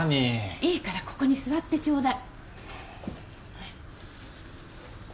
いいからここに座ってちょうだい。